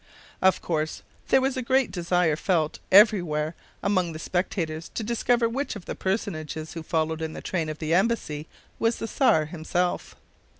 Of course, there was a great desire felt every where among the spectators to discover which of the personages who followed in the train of the embassy was the Czar himself.